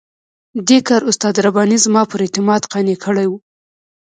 دې کار استاد رباني زما پر اعتماد قانع کړی وو.